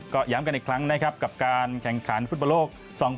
ก็ย้ำกันอีกครั้งกับการแข่งขันฟุตบอลโลก